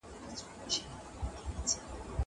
زه به سبا لوښي وچوم وم.